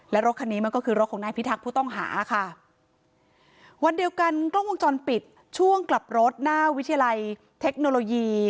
และรถคันนี้มันก็คือรถของนายพิทักษ์ผู้ต้องหาค่ะวันเดียวกันกล้องวงจรปิดช่วงกลับรถหน้าวิทยาลัยเทคโนโลยี